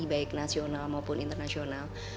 baik nasional maupun internasional